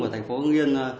ở thành phố ưng yên